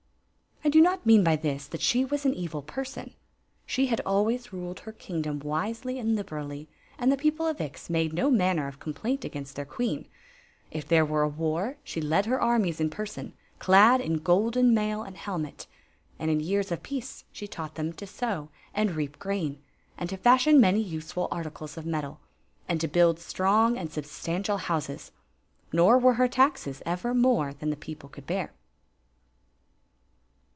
I do not mean by this that she was an evil person. She had always ruled her kingdom wisely and liber ally, and the people of Ix made no manner of com plaint s^nst their queen. If there were a war, ^e led her armies in person, clad in golden mail and helmet; and in years of peace she taught them to sow and reap grain, and to fashion many useful arti cles of metal, and to build strong and Mtbstotkd houses. Nor were her taxes ever nKire tiban the peo ple could bear.